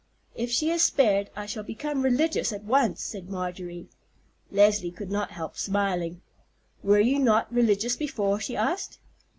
"If she is spared I shall become religious at once," said Marjorie. Leslie could not help smiling. "Were you not religious before?" she asked.